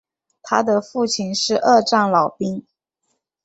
他的父亲是二战老兵。